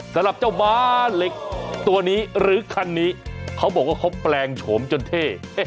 สำหรับเจ้าบ้าเหล็กตัวนี้หรือคันนี้เขาบอกว่าเขาแปลงโฉมจนเท่